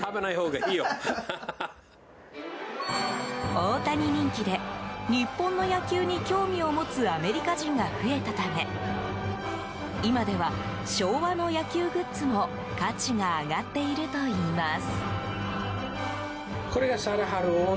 大谷人気で日本の野球に興味を持つアメリカ人が増えたため今では昭和の野球グッズも価値が上がっているといいます。